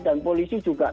dan polisi juga tahan